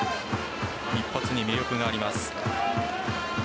一発に魅力があります。